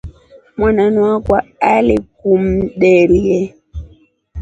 Mwananu wakwa alikumdelye.